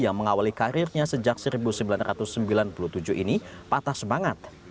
yang mengawali karirnya sejak seribu sembilan ratus sembilan puluh tujuh ini patah semangat